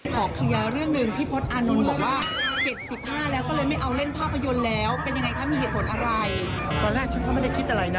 แต่ตอบเท่านี้แหละ